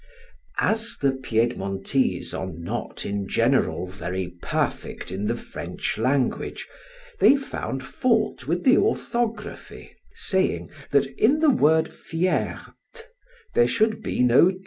As the Piedmontese are not in general very perfect in the French language, they found fault with the orthography, saying, that in the word fiert there should be no 't'.